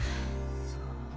そう。